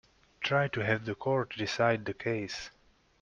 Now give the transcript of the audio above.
Try to have the court decide the case.